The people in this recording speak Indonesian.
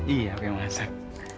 iya aku yang masak